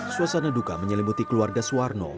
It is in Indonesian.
suasana duka menyelimuti keluarga suwarno